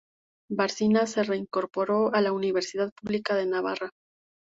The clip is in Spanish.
Barcina se reincorporó a la Universidad Pública de Navarra.